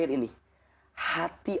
ini lebih laatih